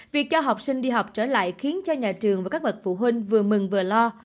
việc cho học sinh đi học trở lại khiến cho nhà trường và các bậc phụ huynh vừa mừng vừa lo